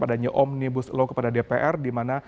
adanya omnibus law kepada dpr dimana